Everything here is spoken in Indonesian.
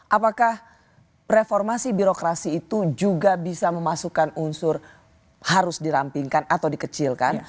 apakah reformasi birokrasi itu juga bisa memasukkan unsur harus dirampingkan atau dikecilkan